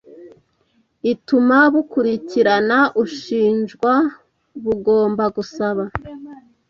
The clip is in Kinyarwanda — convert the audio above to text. ituma bukurikirana ushinjwa bugomba gusaba